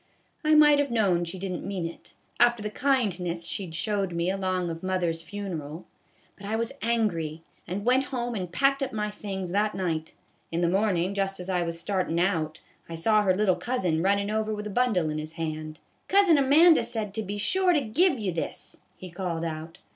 I might have known she did n't mean it, after the kindness she 'd showed me along of mother's fu neral ; but I was angry, and went home and packed up my things that night. In the mornin', just as I was startin' out, I saw her little cousin runnin' over with a bundle in his hand. ' Cousin Amanda said to be sure to give you this,' he called out.